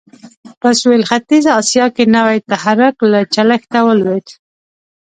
په سوېل ختیځه اسیا کې نوی تحرک له چلښته ولوېد.